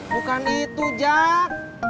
bukan itu jak